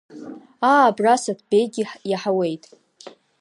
Аа, абра Саҭбеигьы иаҳауеит…